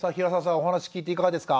お話聞いていかがですか？